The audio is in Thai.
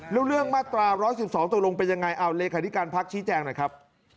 แล้วเรื่องมาตรา๑๑๒ตกลงเป็นยังไงเอาเลขาธิการพักชี้แจงหน่อยครับ